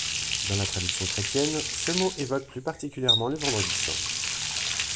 Dans la tradition chrétienne, ce mot évoque plus particulièrement le vendredi saint.